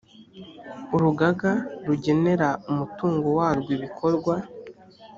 urugaga rugenera umutungo warwo ibikorwa